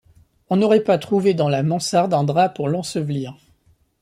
On n’aurait pas trouvé dans la mansarde un drap pour l’ensevelir.